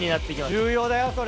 重要だよそれ。